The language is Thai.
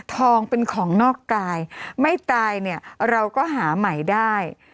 ทองเป็นของนอกกายไม่ตายเนี่ยเราก็หาใหม่ได้